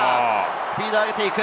スピードを上げていく。